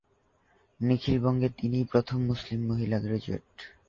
নিখিল বঙ্গে তিনিই প্রথম মুসলিম মহিলা গ্র্যাজুয়েট।